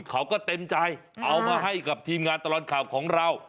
เขาก็เต็มใจเอามาให้กับทีมงานตลอดข่าวของเรา